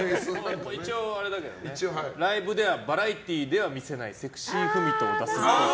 ライブではバラエティーでは見せないセクシー郁人を出すっぽい。